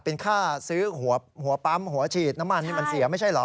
เป็นค่าซื้อหัวปั๊มหัวฉีดน้ำมันนี่มันเสียไม่ใช่เหรอ